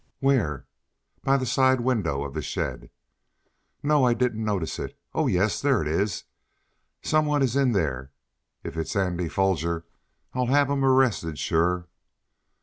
"Where?" "By the side window of the shed?" "No, I didn't notice it! Oh, yes! There it is! Some one is in there! If it's Andy Foger, I'll have him arrested, sure!"